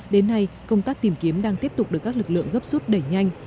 đến nay công tác tìm kiếm đang tiếp tục được các lực lượng gấp rút đẩy nhanh